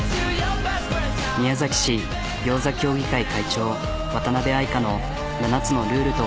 宮崎市ぎょうざ協議会会長渡辺愛香の７つのルールとは。